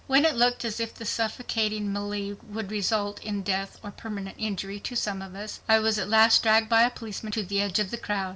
When it looked as if the suffocating melee would result in the death or permanent injury to some of us, I was at last dragged by a policeman to the edge of the crowd.